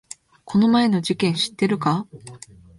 この前の事件知ってるか？